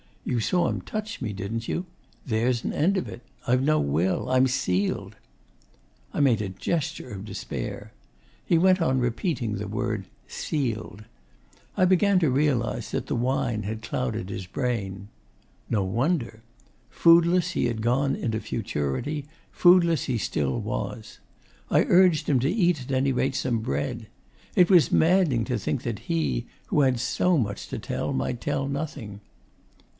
You saw him touch me, didn't you? There's an end of it. I've no will. I'm sealed.' I made a gesture of despair. He went on repeating the word 'sealed.' I began to realise that the wine had clouded his brain. No wonder! Foodless he had gone into futurity, foodless he still was. I urged him to eat at any rate some bread. It was maddening to think that he, who had so much to tell, might tell nothing.